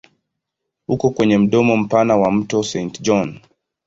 Uko kwenye mdomo mpana wa mto Saint John.